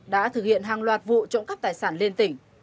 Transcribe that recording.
đã thực hiện hàng loạt vụ trộm cắp tài sản liên tỉnh